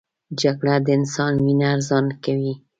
جګړه د انسان وینه ارزانه کوي